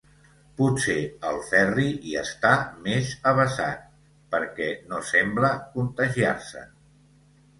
Potser el Ferri hi està més avesat, perquè no sembla contagiar-se'n.